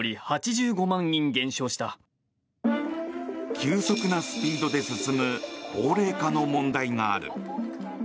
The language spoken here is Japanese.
急速なスピードで進む高齢化の問題がある。